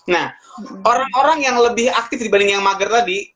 nah orang orang yang lebih aktif dibanding yang mager tadi